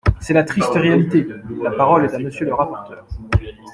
C’est la triste réalité ! La parole est à Monsieur le rapporteur.